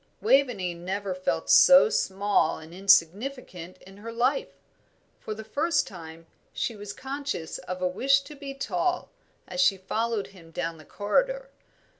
Waveney never felt so small and insignificant in her life. For the first time she was conscious of a wish to be tall, as she followed him down the corridor.